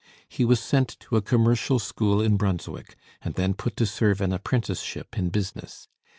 He was sent to a commercial school in Brunswick, and then put to serve an apprenticeship in business.